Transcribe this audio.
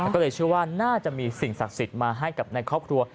ก็เลยเชื่อว่าน่าจะมีสิ่งศักดิ์สิทธิ์มาให้กับในครอบครัว